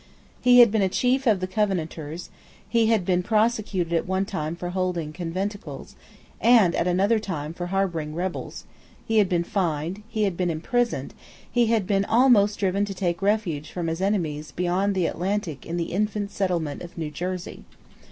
He had been a chief of the Covenanters: he had been prosecuted at one time for holding conventicles, and at another time for harbouring rebels: he had been fined: he had been imprisoned: he had been almost driven to take refuge from his enemies beyond the Atlantic in the infant settlement of New Jersey.